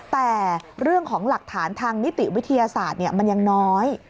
แต่เรื่องของหลักฐานทางนิติวิทยาศาสตร์มันยังน้อย